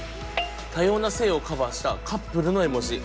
多様な性をカバーしたカップルの絵文字。